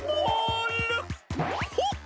ほっ！